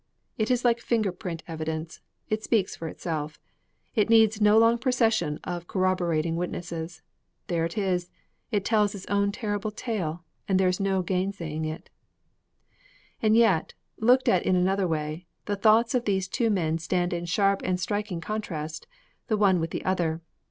It is like finger print evidence; it speaks for itself; it needs no long procession of corroborating witnesses. There it is! It tells its own terrible tale, and there is no gainsaying it. IV And yet, looked at in another way, the thoughts of these two men stand in sharp and striking contrast, the one with the other.